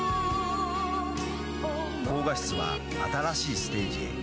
「高画質は新しいステージへ」